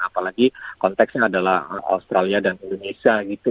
apalagi konteksnya adalah australia dan indonesia gitu